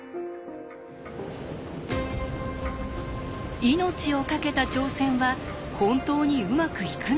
命をかけた挑戦は本当にうまくいくのか？